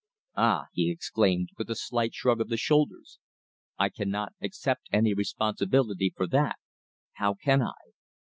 "Ah!" he exclaimed, with a slight shrug of the shoulders. "I cannot accept any responsibility for that. How can I?"